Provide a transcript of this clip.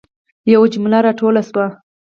یوه جمله را توله سوي.